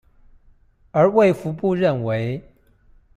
而衛福部認為